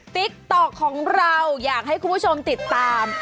ติ๊กต๊อกของเราอยากให้คุณผู้ชมติดตาม